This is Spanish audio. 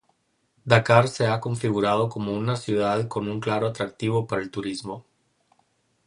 Dakar se ha configurado como una ciudad con un claro atractivo para el turismo.